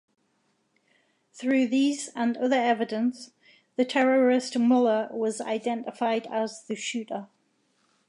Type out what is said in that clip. Through these and other evidence, the terrorist Müller was identified as the shooter.